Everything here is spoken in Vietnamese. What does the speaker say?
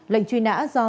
lệnh truy nã do